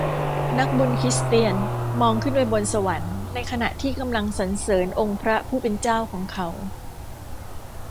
นักบุญคริสเตียนมองขึ้นไปบนสวรรค์ในขณะที่กำลังสรรเสริญองค์พระผู้เป็นเจ้าของเขา